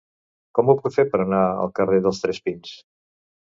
Com ho puc fer per anar al carrer dels Tres Pins?